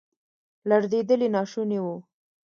لړزیدل یې ناشوني وو.